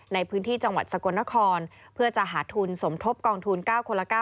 ในพื้นที่จังหวัดสกลนครเพื่อจะหาทุนสมทบกองทุน๙คนละ๙